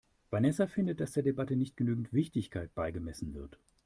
Vanessa findet, dass der Debatte nicht genügend Wichtigkeit beigemessen wird.